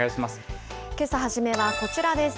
けさ初めはこちらです。